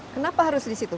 kenapa harus di situ